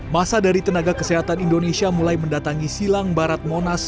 masa dari tenaga kesehatan indonesia mulai mendatangi silang barat monas